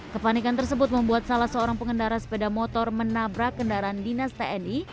kepanikan tersebut membuat salah seorang pengendara sepeda motor menabrak kendaraan dinas tni